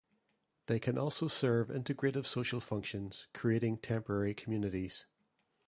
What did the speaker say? They can also serve integrative social functions, creating temporary communities.